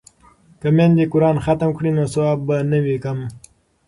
که میندې قران ختم کړي نو ثواب به نه وي کم.